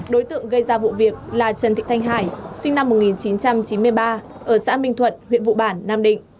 đối tượng gây ra vụ việc là trần thị thanh hải sinh năm một nghìn chín trăm chín mươi ba ở xã minh thuận huyện vụ bản nam định